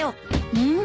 うん？